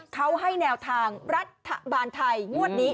เขาให้แนวทางรัฐบาลไทยงวดนี้